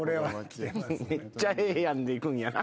「めっちゃええやん」でいくんやな。